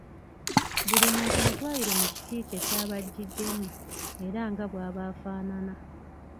Buli muntu mutwalire mu kiti kye ky’aba ajjiddemu era nga bw’aba afaanana.